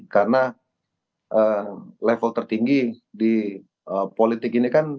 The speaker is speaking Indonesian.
karena level tertinggi di politik ini kan